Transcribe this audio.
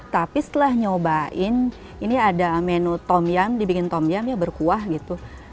tapi setelah nyobain ini ada menu tom yum dibikin tom yum ya berkuah gitu